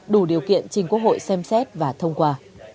đủ điều kiện chính quốc hội xem xét và thông qua